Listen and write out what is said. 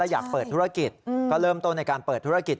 อยากเปิดธุรกิจก็เริ่มต้นในการเปิดธุรกิจ